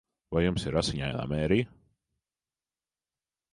Vai jums ir Asiņainā Mērija?